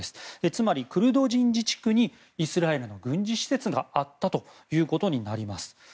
つまりクルド人自治区にイスラエルの軍事施設があったことになります。